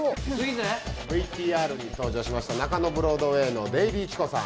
ＶＴＲに搭乗しました中野ブロードウェイのデイリーチコさん。